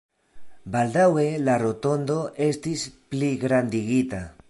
Baldaŭe la rotondo estis pligrandigita.